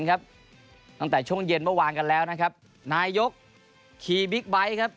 ตั้งแต่ช่วงเย็นเมื่อวานกันแล้วนะครับนายกขี่บิ๊กไบท์ครับ